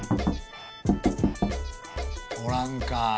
おらんか。